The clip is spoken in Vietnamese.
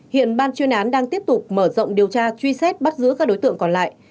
hiện ban chuyên án đang tiếp tục mở rộng điều tra truy xét bắt giữ các đối tượng còn lại